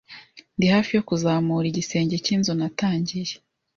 Ndi hafi yo kuzamura igisenge cyinzu natangiye